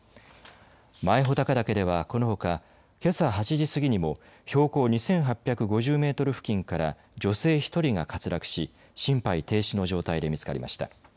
前穂高岳ではこのほかけさ８時過ぎにも標高２８５０メートル付近から女性１人が滑落し心肺停止の状態で見つかりました。